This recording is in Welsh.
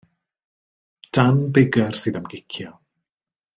Dan Biggar sydd am gicio.